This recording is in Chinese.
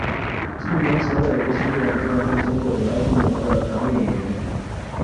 近年曾为无线电视监制文伟鸿的常用演员。